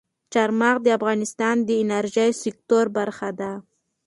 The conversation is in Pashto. چار مغز د افغانستان د انرژۍ سکتور برخه ده.